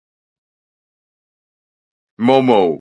Mo mo.